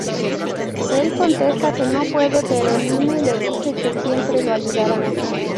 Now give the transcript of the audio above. Él contesta que no puede pero Lyle le dice que siempre lo ayudará.